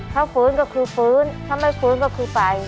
ถ้าฟื้นก็คือฟื้นถ้าไม่ฟื้นก็คือไป